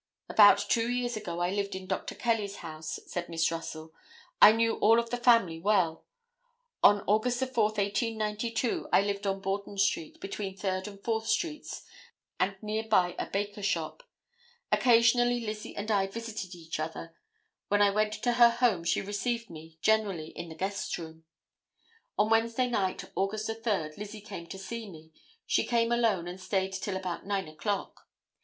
"About two years ago I lived in Dr. Kelly's house," said Miss Russell; "I knew all of the family well. On Aug. 4, 1892, I lived on Borden street, between Third and Fourth streets, and near by a baker shop; occasionally Lizzie and I visited each other; when I went to her home she received me, generally, in the guests' room. On Wednesday night, Aug. 3, Lizzie came to see me; she came alone, and stayed till about 9 o'clock.